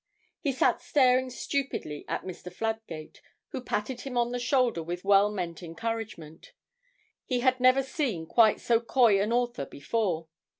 He sat staring stupidly at Mr. Fladgate, who patted him on the shoulder with well meant encouragement; he had never seen quite so coy an author before.